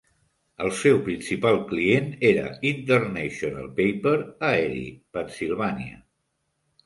El seu principal client era International Paper a Erie, Pennsylvania.